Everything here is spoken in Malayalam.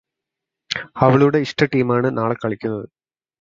അവളുടെ ഇഷ്ട ടീമാണ് നാളെ കളിക്കുന്നത്